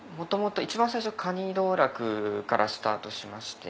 一番最初かに道楽からスタートしまして。